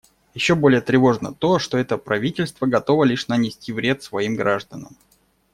Еще более тревожно то, что это правительство готово лишь нанести вред своим гражданам.